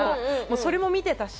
それも見てたし。